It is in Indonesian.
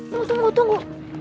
tunggu tunggu tunggu